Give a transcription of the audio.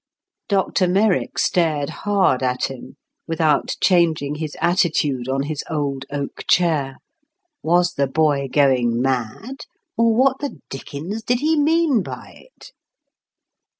Dr Merrick stared hard at him without changing his attitude on his old oak chair. Was the boy going mad, or what the dickens did he mean by it?